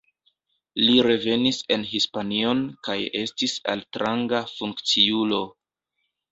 Li revenis en Hispanion kaj estis altranga funkciulo.